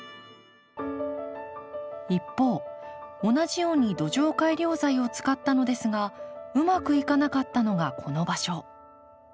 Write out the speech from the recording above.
一方同じように土壌改良材を使ったのですがうまくいかなかったのがこの場所。